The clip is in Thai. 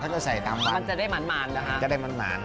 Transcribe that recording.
จะได้หมานนะคะ